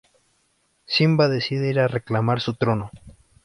Simba decide ir a reclamar su trono.